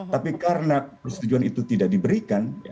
tapi karena persetujuan itu tidak diberikan